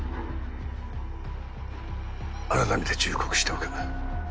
改めて忠告しておく。